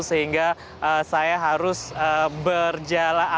sehingga saya harus berjalan